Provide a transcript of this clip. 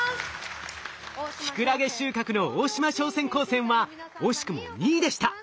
キクラゲ収穫の大島商船高専は惜しくも２位でした。